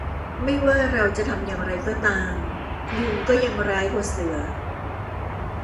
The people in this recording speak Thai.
ไม่ว่าเราจะทำอย่างไรก็ตาม ยุงก็ยังร้ายกว่าเสือ